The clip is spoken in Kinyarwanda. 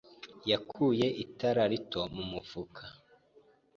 yakuye itara rito mu mufuka.